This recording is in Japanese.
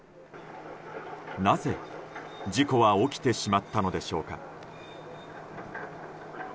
なぜ、事故は起きてしまったのでしょうか。